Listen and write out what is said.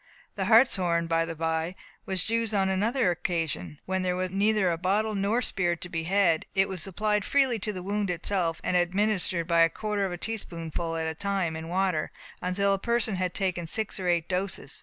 The hartshorn, by the by, was used on another occasion, when there was neither a bottle nor spirit to be had. It was applied freely to the wound itself, and also administered by a quarter of a teaspoonful at a time in water, until the person had taken six or eight doses.